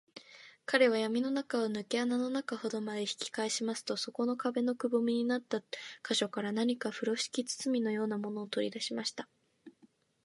彼はやみの中を、ぬけ穴の中ほどまで引きかえしますと、そこの壁のくぼみになった個所から、何かふろしき包みのようなものを、とりだしました。